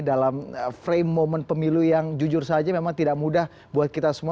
dalam frame momen pemilu yang jujur saja memang tidak mudah buat kita semua